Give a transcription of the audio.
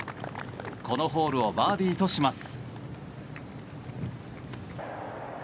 このホールをバーディーとします。